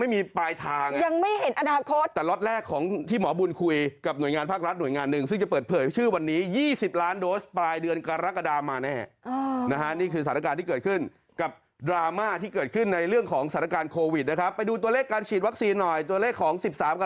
ไม่เกินปลายเดือนกระดาของ